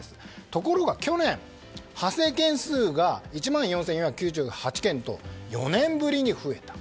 ところが去年、発生件数が１万４４９８件と４年ぶりに増えた。